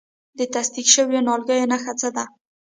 د تصدیق شویو نیالګیو نښه څه ده؟